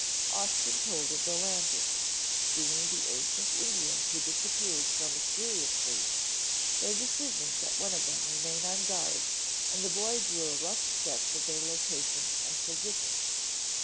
Austin told of the landing, seeing the ancient Indian who disappeared so mysteriously, their decision that one of them remain on guard and the boy drew a rough sketch of their location and position.